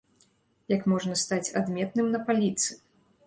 Як можна стаць адметным на паліцы.